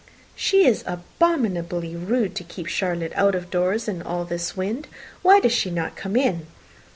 "She is abominably rude to keep Charlotte out of doors in all this wind. Why does she not come in?"